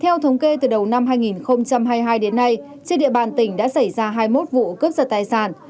theo thống kê từ đầu năm hai nghìn hai mươi hai đến nay trên địa bàn tỉnh đã xảy ra hai mươi một vụ cướp giật tài sản